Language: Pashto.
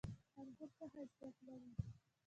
انګور څه خاصیت لري؟